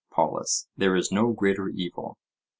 POLUS: There is no greater evil.